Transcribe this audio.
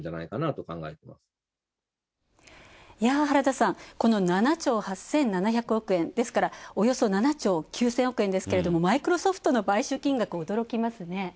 原田さん、この７兆８０００億円ですから、およそ７兆９０００億円ですがマイクロソフトの買収金額、おどろきますね。